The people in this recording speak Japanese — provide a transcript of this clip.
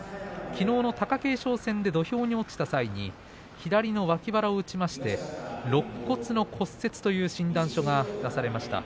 きのうの貴景勝戦で土俵に落ちた際に左の脇腹を打ちましてろっ骨の骨折という診断書が出されました。